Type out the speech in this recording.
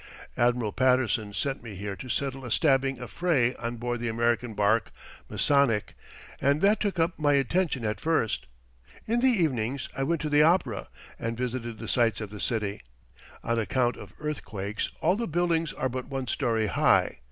Admiral Patterson sent me here to settle a stabbing affray on board the American barque Masonic, and that took up my attention at first. In the evenings I went to the opera, and visited the sights of the city. On account of earthquakes, all the buildings are but one story high.